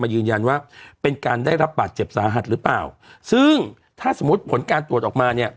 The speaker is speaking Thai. ยืนยันว่าเป็นการได้รับบาดเจ็บสาหัสหรือเปล่าซึ่งถ้าสมมุติผลการตรวจออกมาเนี่ย